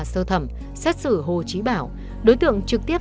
sơ thẩm xét xử hồ trí bảo đối tượng trực tiếp